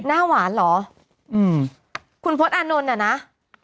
หน้าหวานเหรอคุณพลตอาร์นนท์เนี่ยนะอันนั้นก็หวานอยู่แล้ว